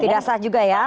tidak sah juga ya